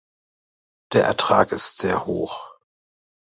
Der Ertrag ist sehr hoch.